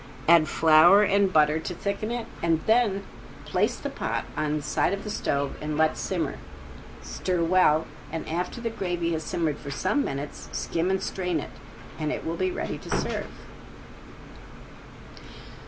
Add flour and butter to thicken it, and then place the pot on the side of the stove and let simmer. Stir well and after the gravy has simmered for some minutes skim and strain it, and it will be ready to serve.